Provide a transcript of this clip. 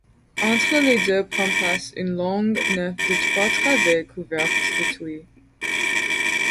Entre les deux prend place une longue nef de trois travées couverte de tuiles.